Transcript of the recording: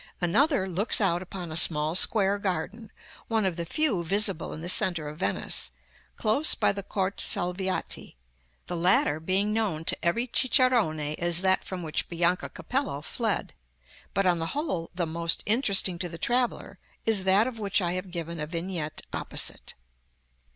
Another looks out upon a small square garden, one of the few visible in the centre of Venice, close by the Corte Salviati (the latter being known to every cicerone as that from which Bianca Capello fled). But, on the whole, the most interesting to the traveller is that of which I have given a vignette opposite.